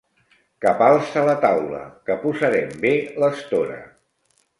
Capalça la taula, que posarem bé l'estora.